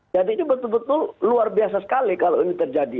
jadi ini betul betul luar biasa sekali kalau ini terjadi